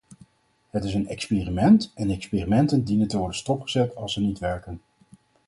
Het is een experiment en experimenten dienen te worden stopgezet als ze niet werken.